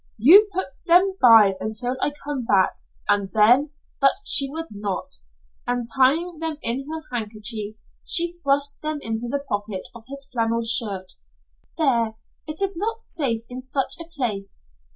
"You put them by until I come back, and then " But she would not, and tying them in her handkerchief, she thrust them in the pocket of his flannel shirt. "There! It is not safe in such a place.